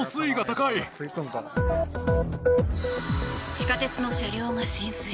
地下鉄の車両が浸水。